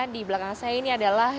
di belakang saya ini adalah